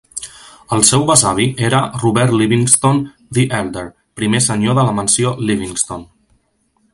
El seu besavi era Robert Livingston "the Elder", primer senyor de la mansió Livingston.